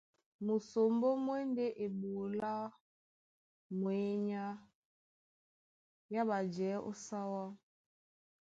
Musombó mú e ndé eɓoló á mwěnyá yá ɓajɛɛ̌ ó sáwá.